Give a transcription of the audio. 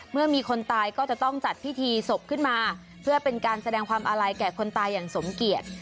เมื่อมีคนตายก็จะต้องจัดพิธีศพขึ้นมาเพื่อเป็นการแสดงความอาลัยแก่คนตายอย่างสมเกียจ